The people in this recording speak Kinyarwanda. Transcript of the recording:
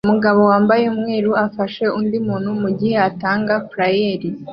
Umugabo wambaye umweru afashe undi muntu mugihe atanga flayeri